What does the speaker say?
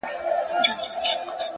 کله یې پیل نیمګړی پاته سي